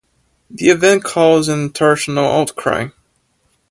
The event caused an international outcry.